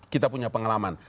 kita punya pengalaman